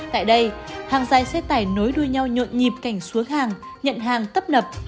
tại đây hàng dài xe tải nối đuôi nhau nhộn nhịp cảnh số hàng nhận hàng tấp nập